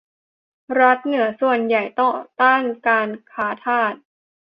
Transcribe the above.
รัฐเหนือส่วนใหญ่ต่อต้านการค้าทาส